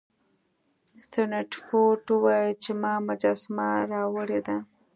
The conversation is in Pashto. سنډفورډ وویل چې ما مجسمه راوړې ده.